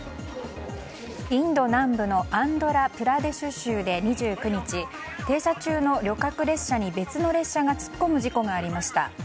インド南部のアンドラプラデシュ州で２９日、停車中の旅客列車に別の列車が突っ込む事故がありました。